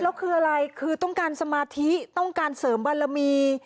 แล้วคืออะไรคือต้องการสมาธิต้องการเสริมบารมี